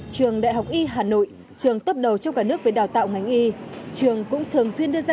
trường đại học y hà nội trường tấp đầu trong cả nước về đào tạo ngành y trường cũng thường xuyên đưa ra